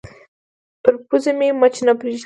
پر پوزې مچ نه پرېږدي